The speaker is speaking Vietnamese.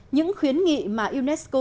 những khuyến nghị mà unesco